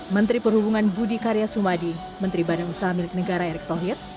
menteri perhubungan budi karya sumadi menteri badan usaha milik negara erick thohir